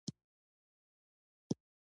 د زده کړې لپاره هېڅ وخت ناوخته نه دی.